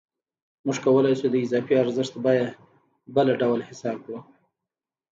موږ کولای شو د اضافي ارزښت بیه بله ډول حساب کړو